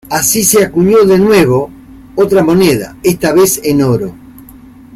Así se acuñó, de nuevo, otra moneda, esta vez en oro.